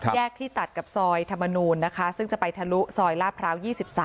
ที่ตัดกับซอยธรรมนูลนะคะซึ่งจะไปทะลุซอยลาดพร้าว๒๓